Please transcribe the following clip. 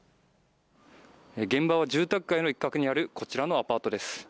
現場は住宅街の一角にある、こちらのアパートです。